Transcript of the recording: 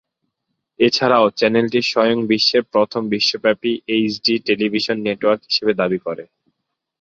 এছাড়াও চ্যানেলটি স্বয়ং বিশ্বের প্রথম বিশ্বব্যাপী এইচ ডি টেলিভিশন নেটওয়ার্ক হিসেবে দাবি করে।